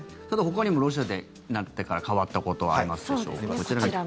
さて、ほかにもロシアになってから変わったことはありますでしょうか。